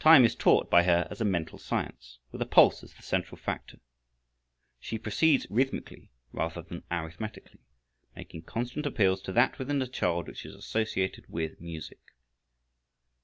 Time is taught by her as a mental science, with the pulse as the central fact. She proceeds rhythmically rather than arithmetically, making constant appeals to that within the child which is associated with music.